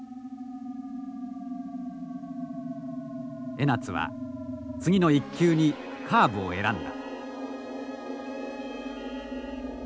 江夏は次の１球にカーブを選んだ。